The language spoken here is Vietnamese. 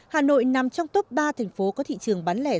hà nội nằm trong top ba thành phố có thị trường bán lẻ